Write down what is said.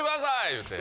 言うて。